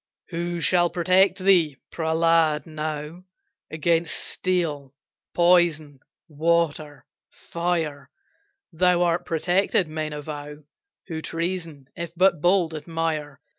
"Who shall protect thee, Prehlad, now? Against steel, poison, water, fire, Thou art protected, men avow Who treason, if but bold, admire.